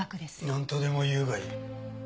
なんとでも言うがいい。